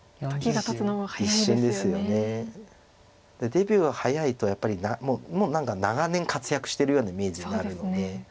デビューが早いとやっぱりもう何か長年活躍してるようなイメージになるので。